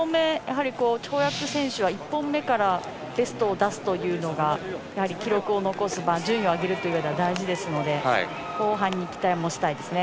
跳躍選手は１本目からベストを出すというのが記録を残す順位を上げるうえでは大事ですので後半に期待もしたいですね。